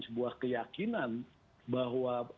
sebuah keyakinan bahwa